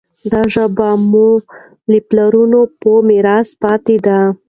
دا ژبه مو له پلرونو په میراث پاتې ده.